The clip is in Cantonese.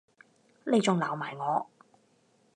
你仲鬧埋我